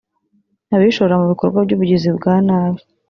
abishora mu bikorwa by’ubugizi bwa nabi